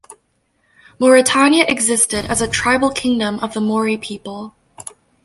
Mauretania existed as a tribal kingdom of the Mauri people.